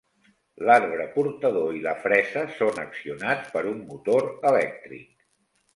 L'arbre portador i la fresa són accionats per un motor elèctric.